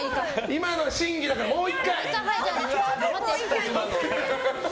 今の審議だからもう１回。